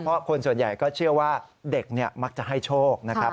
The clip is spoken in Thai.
เพราะคนส่วนใหญ่ก็เชื่อว่าเด็กมักจะให้โชคนะครับ